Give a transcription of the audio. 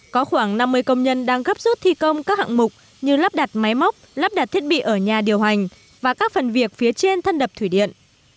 có khoảng năm mươi công nhân đang gấp rút thi công các hạng mục như lắp đặt máy móc lắp đặt thiết bị ở nhà điều hành và các phần việc phía trên thân đập thủy điện